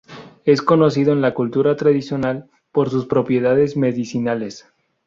Es conocido en la cultura tradicional por sus propiedades medicinales.